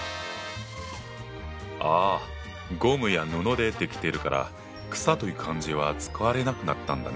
ああゴムや布で出来ているから「草」という漢字は使われなくなったんだね。